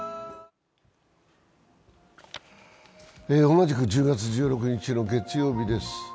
同じく１０月１６日の月曜日です。